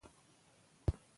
بل سړی دې راسي.